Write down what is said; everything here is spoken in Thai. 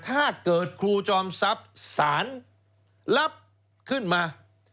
ถ้าเกิดครูจอมทรัพย์สารรับขึ้นมา